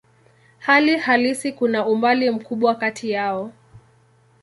Hali halisi kuna umbali mkubwa kati yao.